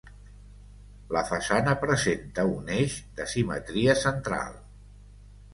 La façana presenta un eix de simetria central.